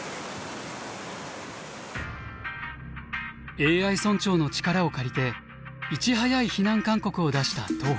ＡＩ村長の力を借りていち早い避難勧告を出した東峰村。